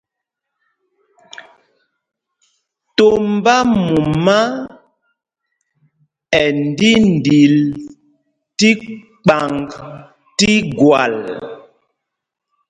Tombá mumá ɛ ndíndil tí kpaŋg tí gwal.